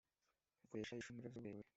bukoresha inshundura z uburebure